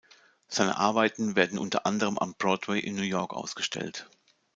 Seine Arbeiten werden unter anderem am Broadway in New York ausgestellt.